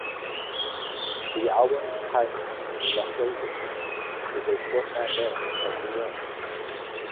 The album's title, "Leftoverture", is a portmanteau word.